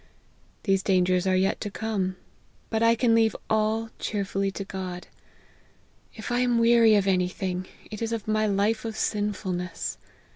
These dangers are yet to come ; but I cm leave all cheer fully to God. If I am weary of any thing, it is of my life of sinfulness.